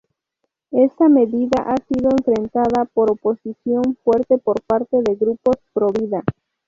Esta medida ha sido enfrentada por oposición fuerte por parte de grupos pro-vida.